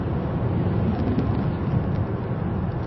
John Murphy was born in Dunedoo, New South Wales.